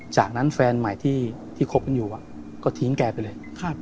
จากนั้นแฟนใหม่ที่คบกันอยู่ก็ทิ้งแกไปเลย